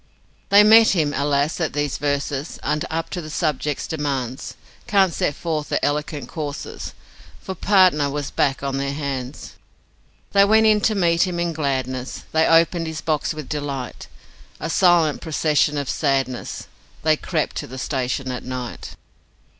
They met him alas, that these verses Aren't up to the subject's demands Can't set forth their eloquent curses, FOR PARTNER WAS BACK ON THEIR HANDS. They went in to meet him in gladness, They opened his box with delight A silent procession of sadness They crept to the station at night.